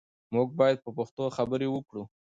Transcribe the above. موږ باید په پښتو خبرې وکړو.